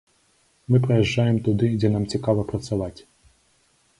Мы прыязджаем туды, дзе нам цікава працаваць.